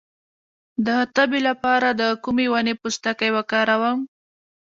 د تبې لپاره د کومې ونې پوستکی وکاروم؟